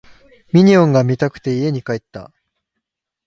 ミニオンが見たくて家に帰った